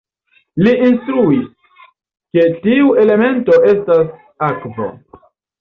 Li instruis, ke tiu elemento estas akvo.